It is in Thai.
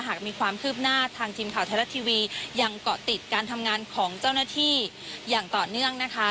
หากมีความคืบหน้าทางทีมข่าวไทยรัฐทีวียังเกาะติดการทำงานของเจ้าหน้าที่อย่างต่อเนื่องนะคะ